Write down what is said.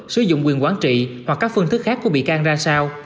sử dụng quyền quản trị hoặc các phương thức khác của bị can ra sao